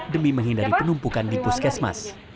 demi menghindari penumpukan di puskesmas